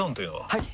はい！